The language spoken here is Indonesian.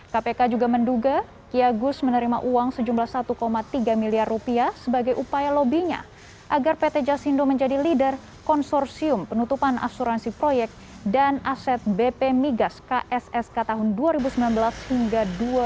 kpk juga menduga kiagus menerima uang sejumlah satu tiga miliar rupiah sebagai upaya lobbynya agar pt jasindo menjadi leader konsorsium penutupan asuransi proyek dan aset bp migas kssk tahun dua ribu sembilan belas hingga dua ribu dua puluh